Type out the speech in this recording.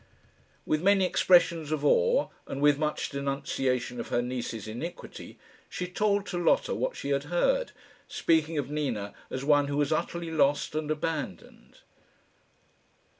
With many expressions of awe, and with much denunciation of her niece's iniquity, she told to Lotta what she had heard, speaking of Nina as one who was utterly lost and abandoned.